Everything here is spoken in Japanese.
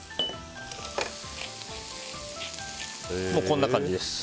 もう、こんな感じです。